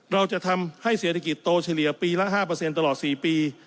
เราจะทำให้เศรษฐกิจโตเฉลี่ยปีละห้าเปอร์เซ็นต์ตลอดสี่ปี